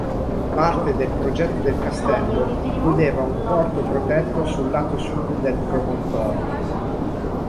Parte del progetto del castello includeva un porto protetto sul lato sud del promontorio.